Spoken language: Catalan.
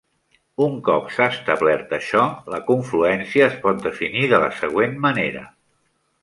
Un cop s'ha establert això, la confluència es pot definir de la següent manera.